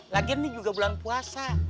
lagian ini juga bulan puasa